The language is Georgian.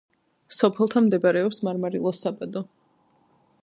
სოფელთან მდებარეობს მარმარილოს საბადო.